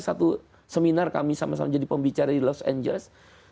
satu seminar kami sama sama jadi pembicara di los angeles